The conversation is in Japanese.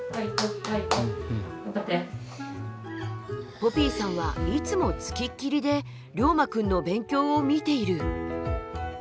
ポピーさんはいつも付きっきりでりょうまくんの勉強を見ている。